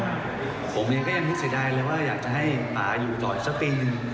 ผมก็ยังคิดเสียดายเลยว่าอยากจะให้ป่าอยู่ต่อที่สปิง